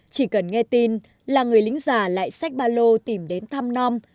chỉ cần nghe tin là người lính già lại sách ba lô tìm đến thăm non